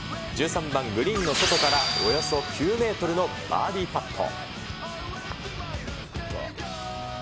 １３番、グリーンの外からおよそ９メートルのバーディーパット。